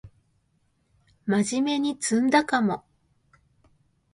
まじめに詰んだかも